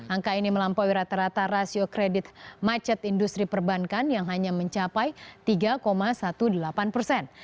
angka ini melampaui rata rata rasio kredit macet industri perbankan yang hanya mencapai tiga delapan belas persen